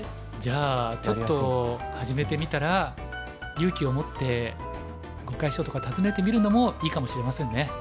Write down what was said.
じゃあちょっと始めてみたら勇気を持って碁会所とか訪ねてみるのもいいかもしれませんね。